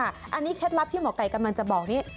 อันนี้เคล็ดลับที่หมอไก่กำลังจะบอกนี้